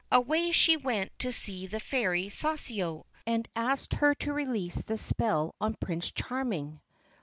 Away she went to the fairy Soussio and asked her to release the spell on Prince Charming.